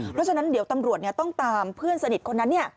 เพราะฉะนั้นเดี๋ยวตำรวจต้องตามเพื่อนสนิทคนนั้น